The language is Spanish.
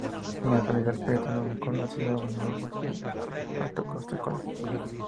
En la actualidad, el proyecto Roncador ha sido abandonado por su alto costo ecológico.